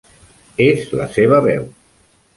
És la seva veu!